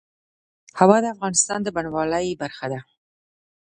هوا د افغانستان د بڼوالۍ برخه ده.